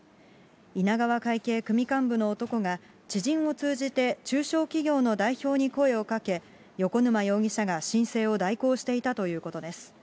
稲川会系組幹部の男が、知人を通じて中小企業の代表に声をかけ、横沼容疑者が申請を代行していたということです。